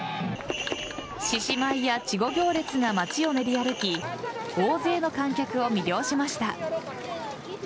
獅子舞や稚児行列が街を練り歩き大勢の観客を魅了しました。